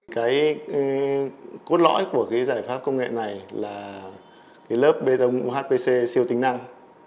cái cốt lõi của cái giải pháp công nghệ này là cái lớp bê tông uhpc siêu tính năng